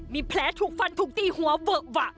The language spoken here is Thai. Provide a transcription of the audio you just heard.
มีแผลถูกฟันถูกตีหัวเวอะวะ